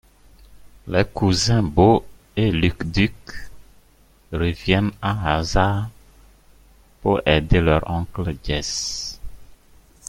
Les cousins Bo et Luke Duke reviennent à Hazzard pour aider leur oncle Jesse.